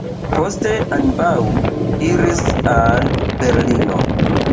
Poste ambaŭ iris al Berlino.